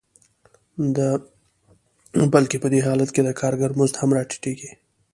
بلکې په دې حالت کې د کارګر مزد هم راټیټېږي